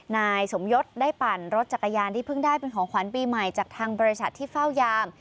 นายสมยศได้ปั่นรถจักรยานที่เพิ่งได้เป็นของขวัญปีใหม่จากทางบริษัทที่เฝ้ายาม